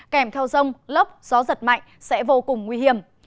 kèm theo rông lốc gió giật mạnh sẽ vô cùng nguy hiểm